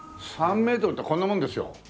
３メートルってこんなもんですよ。